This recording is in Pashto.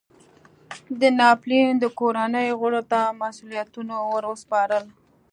د ناپلیون د کورنیو غړو ته مسوولیتونو ور سپارل.